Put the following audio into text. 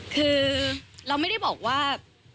คือเราไม่ได้บอกว่า